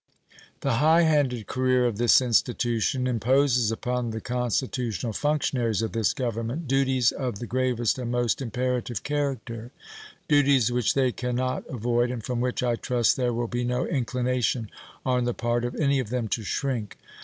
The high handed career of this institution imposes upon the constitutional functionaries of this Government duties of the gravest and most imperative character duties which they can not avoid and from which I trust there will be no inclination on the part of any of them to shrink.